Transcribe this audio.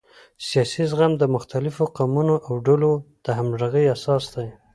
سیاسي زغم د مختلفو قومونو او ډلو د همغږۍ اساس دی